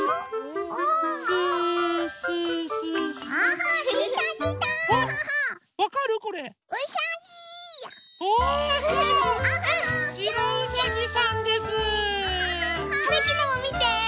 はるきのもみて！